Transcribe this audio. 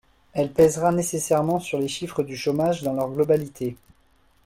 Elle pèsera nécessairement sur les chiffres du chômage dans leur globalité.